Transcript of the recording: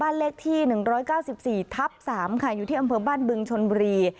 เลขที่๑๙๔ทับ๓ค่ะอยู่ที่อำเภอบ้านบึงชนบุรี